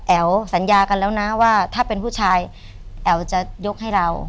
สัญญากันแล้วนะว่าถ้าเป็นผู้ชายแอ๋วจะยกให้เรา